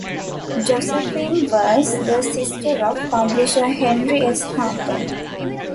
Josephine was the sister of publisher Henry S. Harper.